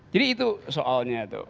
jadi itu soalnya